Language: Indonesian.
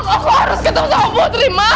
aku harus ketemu sama putri ma